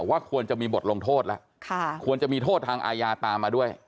ว่าควรจะมีบทลงโทษแล้วควรจะมีโทษทางอาญาตามมาด้วย